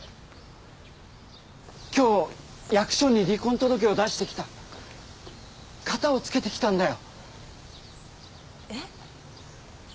今日役所に離婚届を出してきたカタをつけてきたんだよえっ